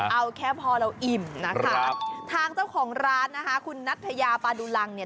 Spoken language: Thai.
เอาแค่พอเราอิ่มนะคะทางเจ้าของร้านนะคะคุณนัทยาปาดุลังเนี่ย